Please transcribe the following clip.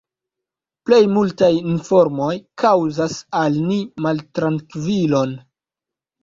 Plej multaj informoj kaŭzas al ni maltrankvilon.